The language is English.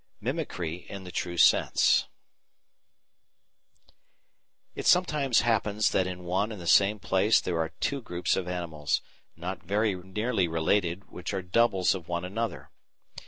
§ 5 Mimicry in the True Sense It sometimes happens that in one and the same place there are two groups of animals not very nearly related which are "doubles" of one another.